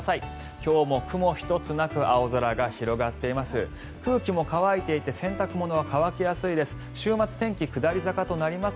今日も雲一つなく青空が広がっています。